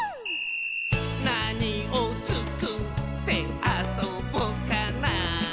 「なにをつくってあそぼかな」